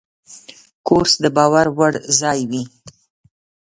کورس د باور وړ ځای وي.